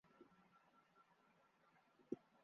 এই শ্লোকে "ভগবদ্গীতা"-কে মা বলে উল্লেখ করা হয়েছে।